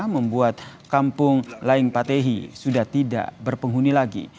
membuat kampung lain patehi sudah tidak berpenghuni lagi